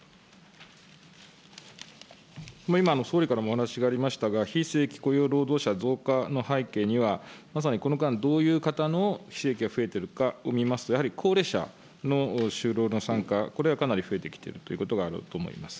今の総理からもお話がありましたが、非正規雇用労働者増加の背景には、まさにこの間、どういう方のしえきが増えてるかを見ますと、やはり高齢者の就労の参加、これがかなり増えてきているということがあると思います。